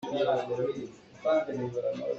Mifir na si maw si hlah?